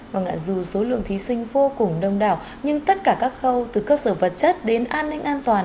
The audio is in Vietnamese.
vâng ạ dù số lượng thí sinh vô cùng đông đảo nhưng tất cả các khâu từ cơ sở vật chất đến an ninh an toàn